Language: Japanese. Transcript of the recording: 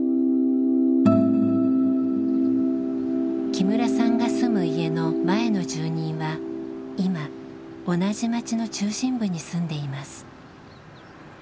木村さんが住む家の前の住人は今同じ町の中心部に住んでいます。